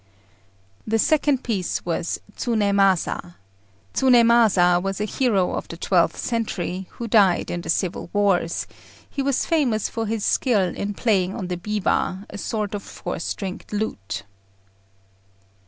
The second piece was Tsunémasa. Tsunémasa was a hero of the twelfth century, who died in the civil wars; he was famous for his skill in playing on the biwa, a sort of four stringed lute.